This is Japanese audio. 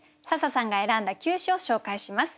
笹さんが選んだ９首を紹介します。